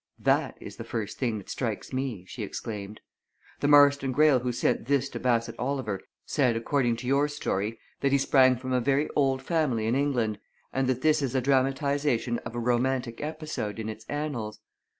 "That is the first thing that strikes me!" she exclaimed. "The Marston Greyle who sent this to Bassett Oliver said according to your story that he sprang from a very old family in England, and that this is a dramatization of a romantic episode in its annals.